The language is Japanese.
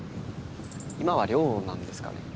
今は寮なんですかね？